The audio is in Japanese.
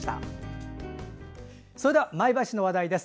それでは前橋の話題です。